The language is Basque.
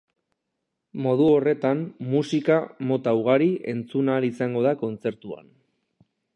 Modu horretan, musika mota ugari entzun ahal izan da kontzertuan.